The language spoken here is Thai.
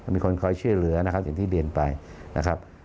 มีคนคอยช่วยเหลือนะครับอย่างที่เรียนไปนะครับ